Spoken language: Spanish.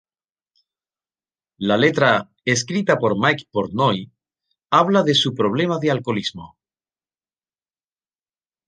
La letra, escrita por Mike Portnoy, habla de su problema de alcoholismo.